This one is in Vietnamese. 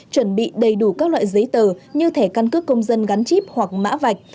chuẩn bị đầy đủ các loại giấy tờ như thẻ căn cước công dân gắn chip hoặc mã vạch